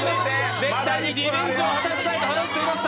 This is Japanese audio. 絶対にリベンジを果たしたいと話していました。